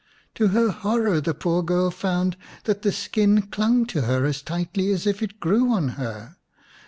To her horror the poor girl found that the skin clung to her as tightly as if it grew on her.